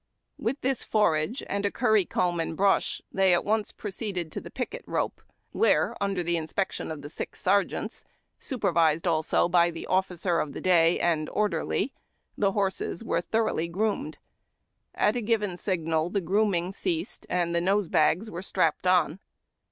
With this forage, and a curry comb and AT THE GRAIN PILE. brush, they at once proceeded to the picket rope, where, under the inspection of the six sergeants, supervised also by the officer of the day and orderly, the horses were thoroughly gi'oomed. At a given signal, the grooming ceased, and the nose bags were strapped on.